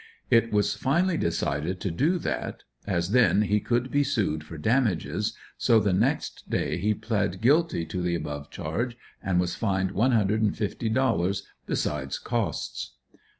It was finally decided to do that, as then he could be sued for damages, so the next day he plead guilty to the above charge, and was fined one hundred and fifty dollars besides costs.